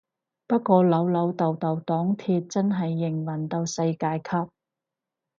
不過老老豆豆黨鐵真係營運到世界級